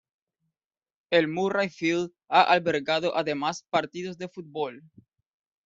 El Murrayfield ha albergado además partidos de fútbol.